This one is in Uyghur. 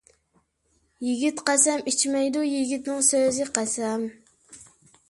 يىگىت قەسەم ئىچمەيدۇ، يىگىتنىڭ سۆزى قەسەم.